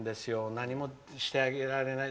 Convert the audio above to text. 何もしてあげられない。